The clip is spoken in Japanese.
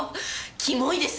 キモイです。